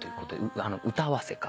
歌合わせか。